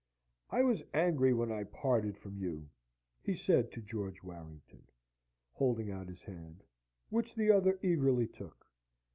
"I was angry when I parted from you," he said to George Warrington, holding out his hand, which the other eagerly took.